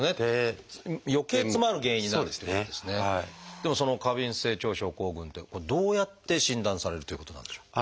でもその過敏性腸症候群ってどうやって診断されるっていうことなんでしょう？